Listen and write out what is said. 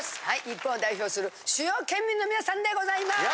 日本を代表する主要県民の皆さんでございます！